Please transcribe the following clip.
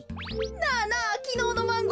なあなあきのうのマンゴー